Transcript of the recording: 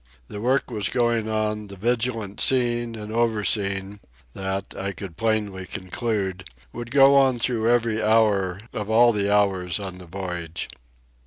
The work was going on, the vigilant seeing and overseeing, that, I could plainly conclude, would go on through every hour of all the hours on the voyage.